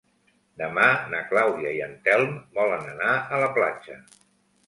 Demà na Clàudia i en Telm volen anar a la platja.